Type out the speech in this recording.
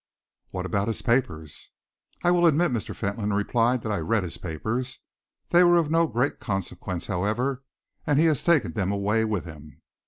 "What about his papers?" "I will admit," Mr. Fentolin replied, "that I read his papers. They were of no great consequence, however, and he has taken them away with him.